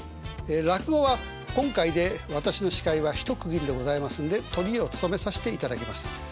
落語は今回で私の司会は一区切りでございますんでトリを務めさせていただきます。